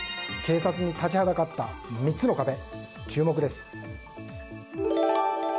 警察に立ちはだかった３つの壁注目です。